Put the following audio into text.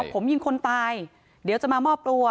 ผมยิงคนตายเดี๋ยวจะมามอบตัว